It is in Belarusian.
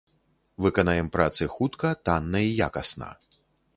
Выканаем працы хутка, танна і якасна.